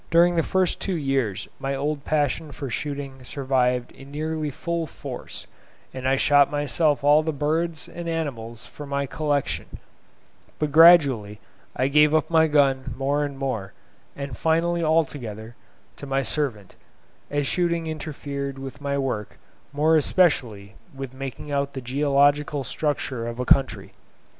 During the first two years my old passion for shooting survived in nearly full force, and I shot myself all the birds and animals for my collection; but gradually I gave up my gun more and more, and finally altogether, to my servant, as shooting interfered with my work, more especially with making out the geological structure of a country.